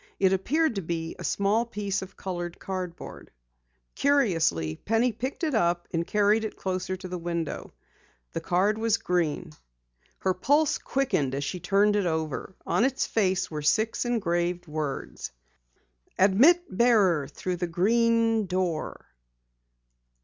It appeared to be a small piece of colored cardboard. Curiously, Penny picked it up and carried it closer to the window. The card was green. Her pulse quickened as she turned it over. On its face were six engraved words: "Admit Bearer Through The Green Door."